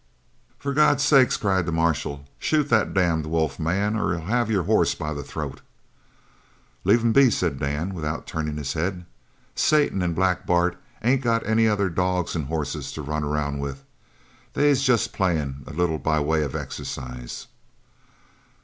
"For God's sake!" cried the marshal. "Shoot the damned wolf, man, or he'll have your horse by the throat!" "Leave 'em be," said Dan, without turning his head. "Satan an' Black Bart ain't got any other dogs an' hosses to run around with. They's jest playing a little by way of exercise."